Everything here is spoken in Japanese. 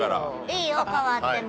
いいよ変わっても。